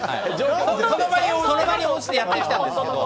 その場に応じてやってきたんですけど。